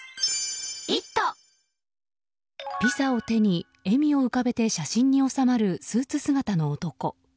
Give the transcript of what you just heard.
ピザを手に笑みを浮かべて写真に納まるスーツ姿の男。